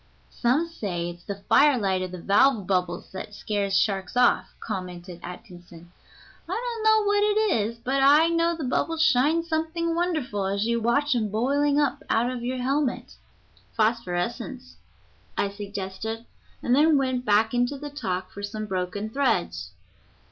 "Some say it's the fire light of the valve bubbles that scares sharks off," commented Atkinson. "I don't know what it is, but I know the bubbles shine something wonderful as you watch 'em boiling up out of your helmet." "Phosphorescence," I suggested, and then went back into the talk for some broken threads.